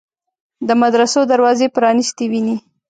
د مدرسو دروازې پرانیستې ویني.